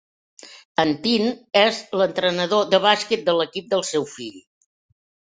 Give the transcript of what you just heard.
Antin és entrenador de bàsquet de l'equip del seu fill.